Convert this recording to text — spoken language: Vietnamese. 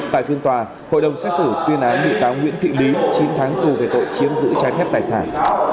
tại phiên tòa hội đồng xét xử tuyên án bị cáo nguyễn thị lý chín tháng tù về tội chiếm giữ trái phép tài sản